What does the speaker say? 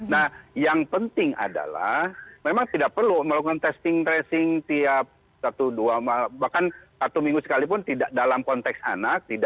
nah yang penting adalah memang tidak perlu melakukan testing tracing tiap satu dua bahkan satu minggu sekalipun tidak dalam konteks anak